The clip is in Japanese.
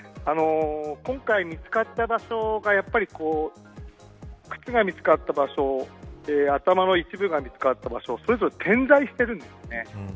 今回、見つかった場所がやっぱり靴が見つかった場所頭の一部が見つかった場所それぞれ点在しているんですね。